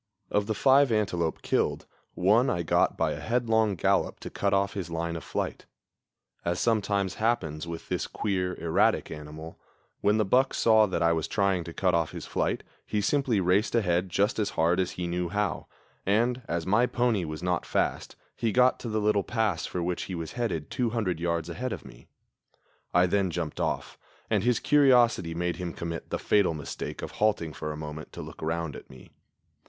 Of the five antelope killed, one I got by a headlong gallop to cut off his line of flight. As sometimes happens with this queer, erratic animal, when the buck saw that I was trying to cut off his flight he simply raced ahead just as hard as he knew how, and, as my pony was not fast, he got to the little pass for which he was headed 200 yards ahead of me. I then jumped off, and his curiosity made him commit the fatal mistake of halting for a moment to look round at me.